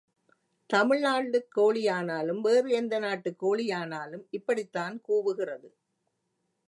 தமிழ் நாட்டுக் கோழியானாலும் வேறு எந்த நாட்டுக் கோழியானாலும் இப்படித்தான் கூவுகிறது.